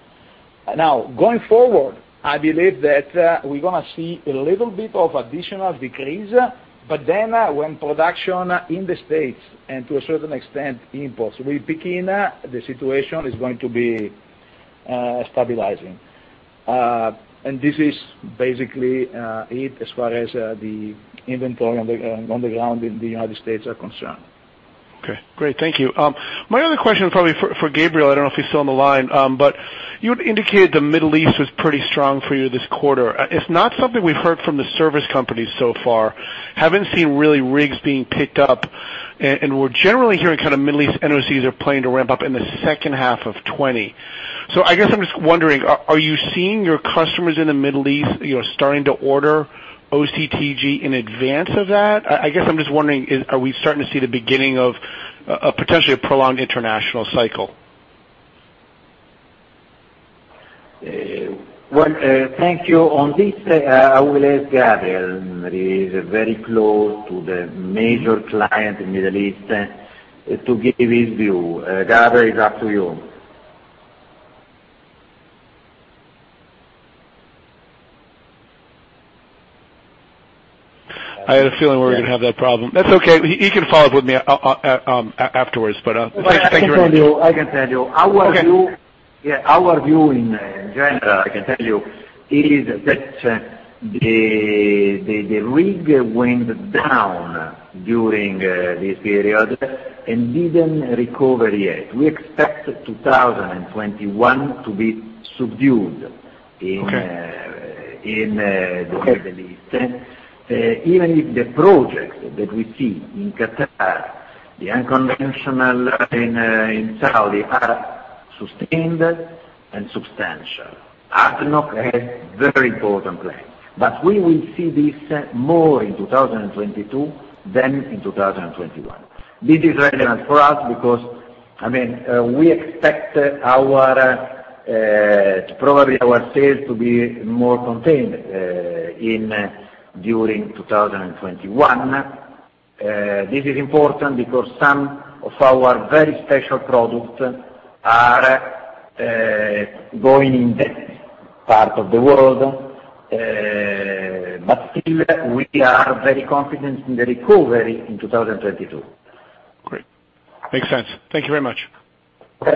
F: Going forward, I believe that we're going to see a little bit of additional decrease. When production in the U.S., and to a certain extent imports, will begin, the situation is going to be stabilizing. This is basically it as far as the inventor on the ground in the U.S. are concerned.
L: Okay, great. Thank you. My other question is probably for Gabriel. I don't know if he's still on the line. You had indicated the Middle East was pretty strong for you this quarter. It's not something we've heard from the service companies so far. Haven't seen really rigs being picked up, and we're generally hearing kind of Middle East NOCs are planning to ramp up in the second half of 2020. I guess I'm just wondering, are you seeing your customers in the Middle East starting to order OCTG in advance of that? I guess I'm just wondering, are we starting to see the beginning of potentially a prolonged international cycle?
C: Well, thank you. On this, I will ask Gabriel. He is very close to the major client in Middle East, to give his view. Gabriel, it's up to you.
L: I had a feeling we were going to have that problem. That's okay. He can follow up with me afterwards. Thank you very much.
C: I can tell you.
L: Okay.
C: Our view in general, I can tell you, is that the rig went down during this period and didn't recover yet. We expect 2021 to be subdued-
L: Okay
C: in the Middle East. Even if the projects that we see in Qatar, the unconventional in Saudi are sustained and substantial. Aramco has very important plans. We will see this more in 2022 than in 2021. This is relevant for us because we expect probably our sales to be more contained during 2021. This is important because some of our very special products are going in that part of the world. Still, we are very confident in the recovery in 2022.
L: Great. Makes sense. Thank you very much.
C: Okay.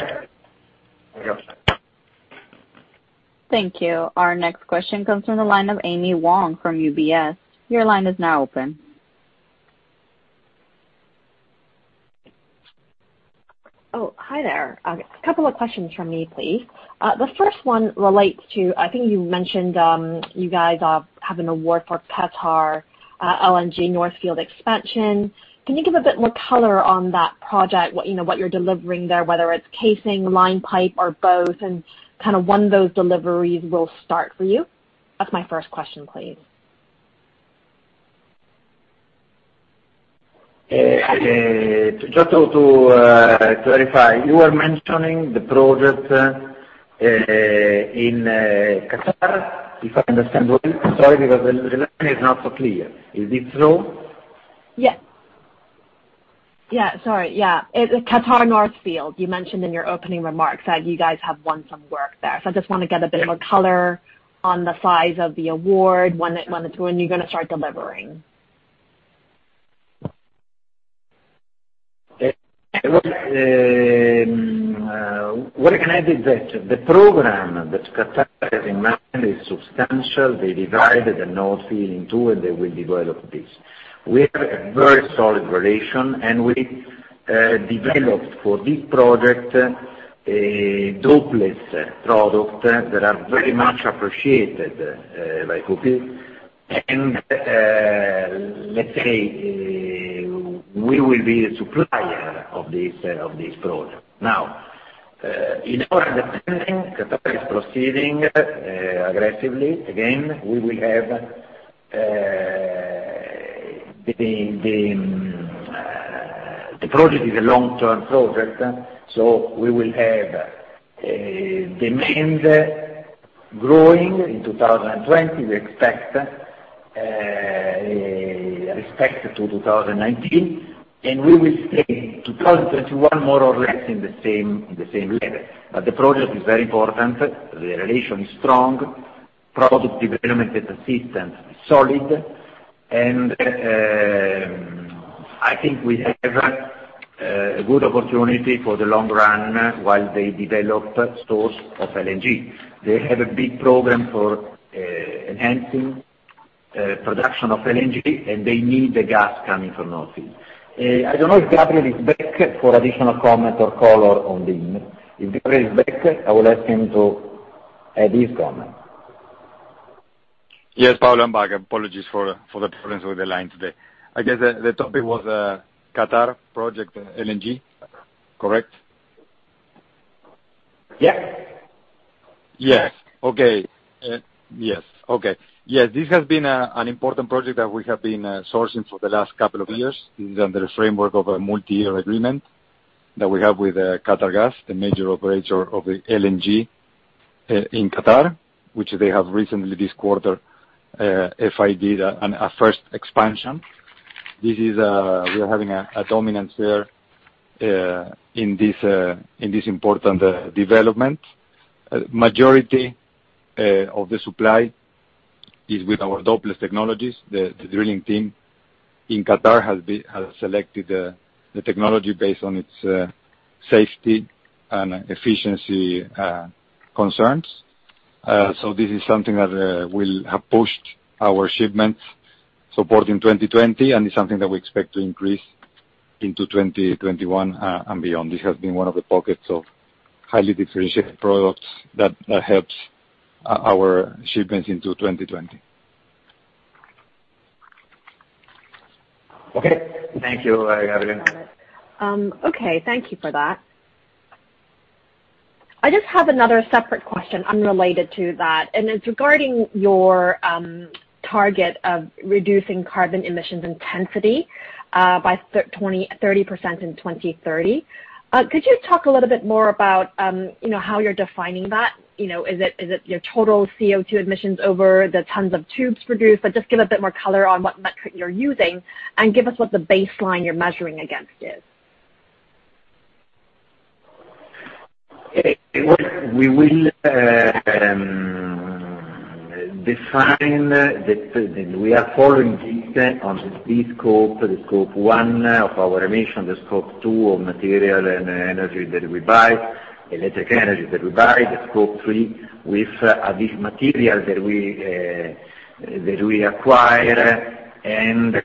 A: Thank you. Our next question comes from the line of Amy Wong from UBS. Your line is now open.
M: Oh, hi there. A couple of questions from me, please. The first one relates to, I think you mentioned you guys have an award for QatarEnergy LNG North Field Expansion. Can you give a bit more color on that project? What you're delivering there, whether it's casing, line pipe, or both, and kind of when those deliveries will start for you? That's my first question, please.
C: Just to clarify, you are mentioning the project in Qatar, if I understand well? Sorry, because the line is not so clear. Is this so?
M: Yeah. Sorry, yeah. Qatar North Field. You mentioned in your opening remarks that you guys have won some work there. I just want to get a bit more color on the size of the award, when you're going to start delivering.
C: What I can add is that the program that Qatar has in mind is substantial. They divided the North Field in two. They will develop this. We have a very solid relation, and we developed for this project a Dopeless product that are very much appreciated by Qatargas. We will be the supplier of this project. In our understanding, Qatar is proceeding aggressively. The project is a long-term project. We will have demand growing in 2020, we expect, respect to 2019. We will stay 2021 more or less in the same level. The project is very important. The relation is strong. Product development and assistance is solid. I think we have a good opportunity for the long run while they develop stores of LNG. They have a big program for enhancing production of LNG, and they need the gas coming from North Field. I don't know if Gabriel is back for additional comment or color on this. If Gabriel is back, I will ask him to add his comment.
H: Yes, Paolo, I'm back. Apologies for the problems with the line today. I guess the topic was Qatar project LNG. Correct?
C: Yeah.
H: Yes. Okay. Yes, this has been an important project that we have been sourcing for the last couple of years. This is under the framework of a multi-year agreement that we have with Qatargas, the major operator of the LNG in Qatar, which they have recently this quarter, FID'ed a first expansion. We are having a dominance there. In this important development, majority of the supply is with our Dopeless technologies. The drilling team in Qatar has selected the technology based on its safety and efficiency concerns. This is something that will have pushed our shipments support in 2020, and is something that we expect to increase into 2021 and beyond. This has been one of the pockets of highly differentiated products that helps our shipments into 2020.
C: Okay. Thank you, Gabriel.
M: Okay. Thank you for that. I just have another separate question unrelated to that, and it's regarding your target of reducing carbon emissions intensity by 30% in 2030. Could you talk a little bit more about how you're defining that? Is it your total CO2 emissions over the tons of tubes produced? Just give a bit more color on what metric you're using, and give us what the baseline you're measuring against is.
C: We will define that we are following this on this scope, the scope 1 of our emission, the scope 2 of material and electric energy that we buy, the scope 3 with this material that we acquire and the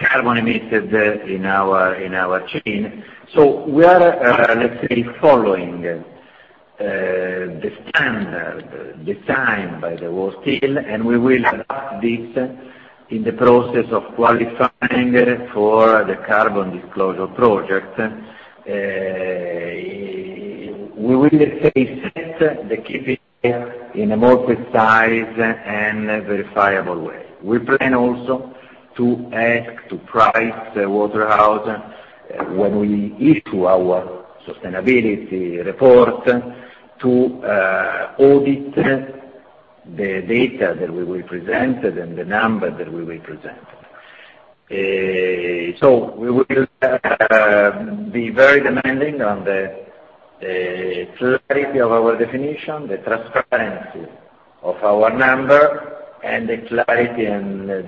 C: carbon emitted in our chain. We are, let's say, following the standard designed by the worldsteel, and we will adopt this in the process of qualifying for the Carbon Disclosure Project. We will face the KPI in a more precise and verifiable way. We plan also to ask to Pricewaterhouse, when we issue our sustainability report, to audit the data that we will present and the number that we will present. We will be very demanding on the clarity of our definition, the transparency of our number, and the clarity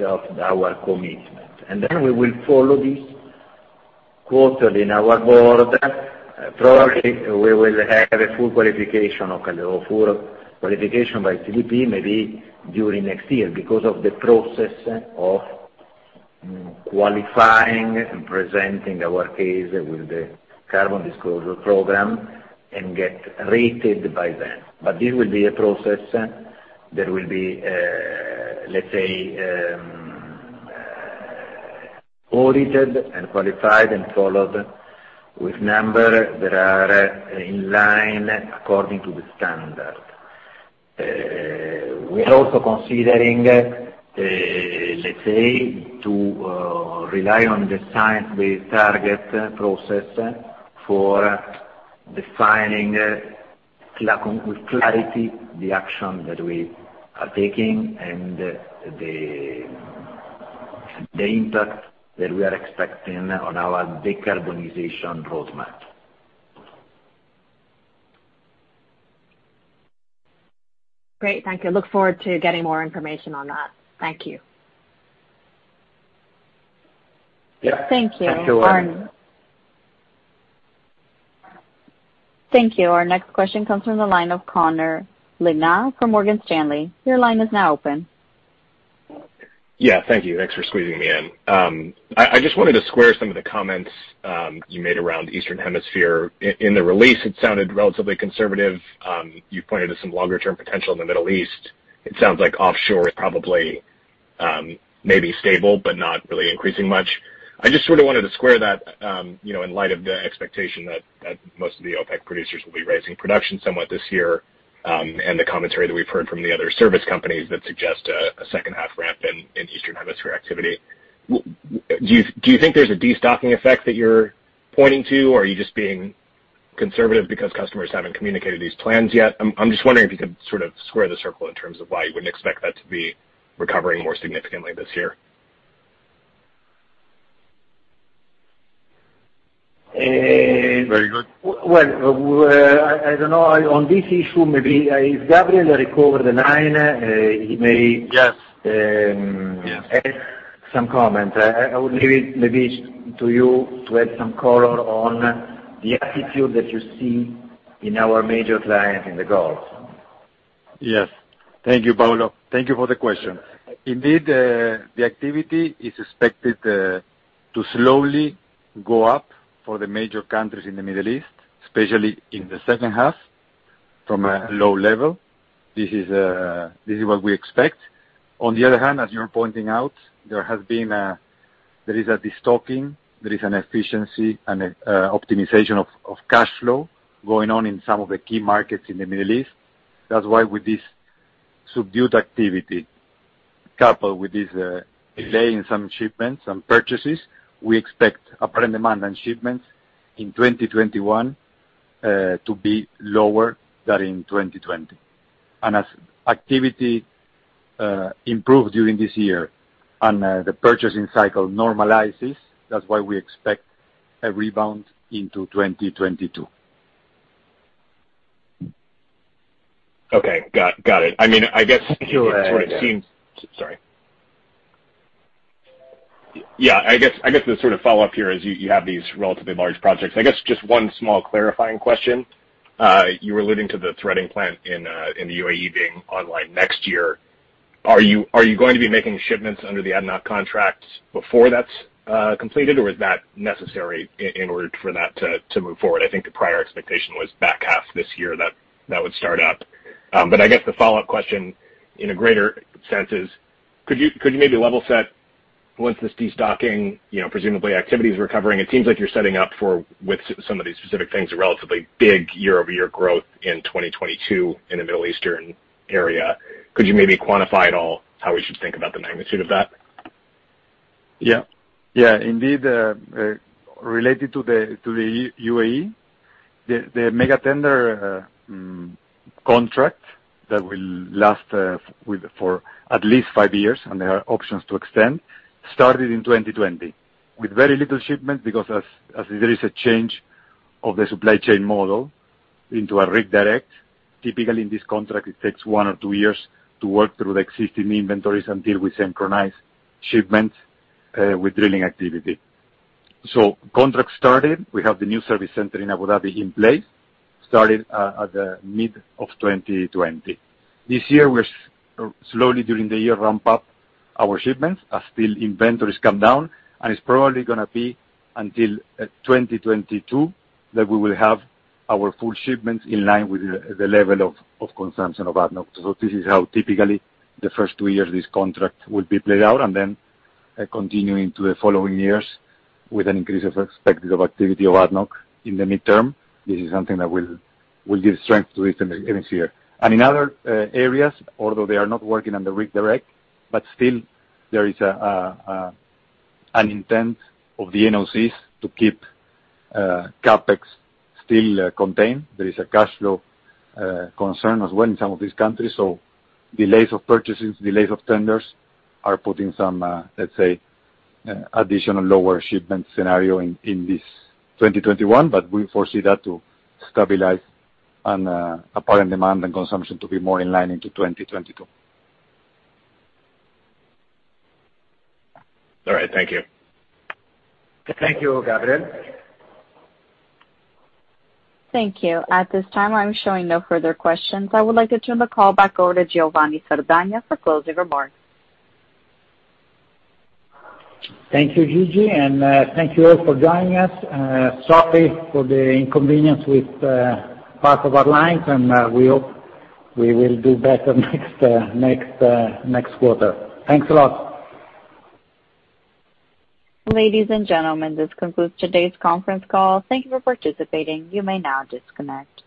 C: of our commitment. We will follow this quarterly in our board. Probably, we will have a full qualification by CDP, maybe during next year, because of the process of qualifying and presenting our case with the Carbon Disclosure Program and get rated by them. This will be a process that will be, let's say, audited and qualified and followed with number that are in line according to the standard. We are also considering, let's say, to rely on the science-based target process for defining, with clarity, the action that we are taking and the impact that we are expecting on our decarbonization roadmap.
M: Great. Thank you. Look forward to getting more information on that. Thank you.
C: Yeah. Thank you.
A: Thank you. Our next question comes from the line of Connor Lynagh from Morgan Stanley. Your line is now open.
N: Thank you. Thanks for squeezing me in. I just wanted to square some of the comments you made around the Eastern Hemisphere. In the release, it sounded relatively conservative. You pointed to some longer-term potential in the Middle East. It sounds like offshore is probably maybe stable but not really increasing much. I just sort of wanted to square that in light of the expectation that most of the OPEC producers will be raising production somewhat this year, and the commentary that we've heard from the other service companies that suggest a second half ramp in Eastern Hemisphere activity. Do you think there's a destocking effect that you're pointing to, or are you just being conservative because customers haven't communicated these plans yet? I'm just wondering if you could sort of square the circle in terms of why you wouldn't expect that to be recovering more significantly this year.
C: Very good. Well, I don't know. On this issue, maybe if Gabriel recover the line, he may-
H: Yes
C: add some comment. I would leave it maybe to you to add some color on the attitude that you see in our major clients in the Gulf.
H: Yes. Thank you, Paolo. Thank you for the question. Indeed, the activity is expected to slowly go up for the major countries in the Middle East, especially in the second half, from a low level. This is what we expect. On the other hand, as you're pointing out, there is a destocking. There is an efficiency and optimization of cash flow going on in some of the key markets in the Middle East. That's why with this subdued activity, coupled with this delay in some shipments, some purchases, we expect apparent demand and shipments in 2021 to be lower than in 2020. As activity improve during this year and the purchasing cycle normalizes, that's why we expect a rebound into 2022.
N: Okay, got it. I guess-
H: Sure. Yeah.
N: Sorry. Yeah, I guess the sort of follow-up here is you have these relatively large projects. I guess just one small clarifying question. You were alluding to the threading plant in the UAE being online next year. Are you going to be making shipments under the ADNOC contracts before that's completed? Is that necessary in order for that to move forward? I think the prior expectation was back half this year that that would start up. I guess the follow-up question in a greater sense is, could you maybe level set once this destocking, presumably activity is recovering? It seems like you're setting up for, with some of these specific things, a relatively big year-over-year growth in 2022 in the Middle Eastern area. Could you maybe quantify at all how we should think about the magnitude of that?
H: Yeah. Indeed, related to the UAE, the mega tender contract that will last for at least five years, and there are options to extend, started in 2020 with very little shipment because as there is a change of the supply chain model into a Rig Direct, typically in this contract, it takes one or two years to work through the existing inventories until we synchronize shipments with drilling activity. Contract started, we have the new service center in Abu Dhabi in place, started at the mid of 2020. This year, we're slowly during the year ramp up our shipments as still inventories come down, and it's probably going to be until 2022 that we will have our full shipments in line with the level of consumption of ADNOC. This is how typically the first two years this contract will be played out, Continue into the following years with an increase of expected of activity of ADNOC in the midterm. This is something that will give strength to this year. In other areas, although they are not working on the Rig Direct, but still there is an intent of the NOCs to keep CapEx still contained. There is a cash flow concern as well in some of these countries. Delays of purchases, delays of tenders are putting some, let's say, additional lower shipment scenario in this 2021, but we foresee that to stabilize and apparent demand and consumption to be more in line into 2022.
N: All right. Thank you.
C: Thank you, Gabriel.
A: Thank you. At this time, I'm showing no further questions. I would like to turn the call back over to Giovanni Sardagna for closing remarks.
B: Thank you, Gigi, and thank you all for joining us. Sorry for the inconvenience with part of our lines, and we hope we will do better next quarter. Thanks a lot.
A: Ladies and gentlemen, this concludes today's conference call. Thank you for participating. You may now disconnect.